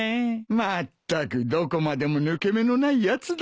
まったくどこまでも抜け目のないやつだ。